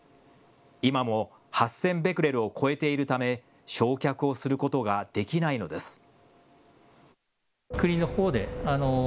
今も８０００ベクレルを超えているため焼却をすることができないのです。